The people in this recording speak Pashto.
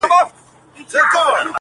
شپه د پرخي په قدم تر غېږي راغلې!